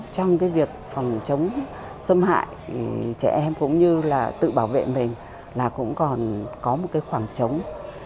trong cái việc phòng chống xâm hại thì trẻ em cũng như là tự bảo vệ mình là cũng còn có một cái khoảng trống